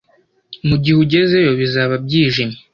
Mugihe ugezeyo, bizaba byijimye.